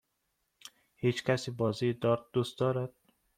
هیچکسی بازی دارت دوست دارد؟